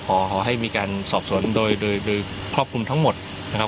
ขอให้มีการสอบสวนโดยโดยครอบคลุมทั้งหมดนะครับ